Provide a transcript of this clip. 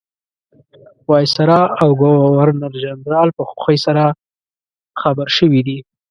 وایسرا او ګورنرجنرال په خوښۍ سره خبر شوي دي.